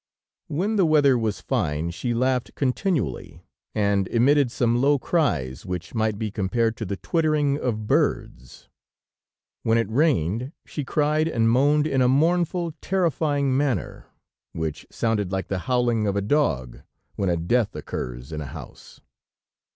"When the weather was fine, she laughed continually, and emitted some low cries which might be compared to the twittering of birds; when it rained she cried and moaned in a mournful, terrifying manner, which sounded like the howling of a dog when a death occurs in a house.